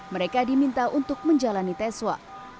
mereka diminta untuk menjalani teswa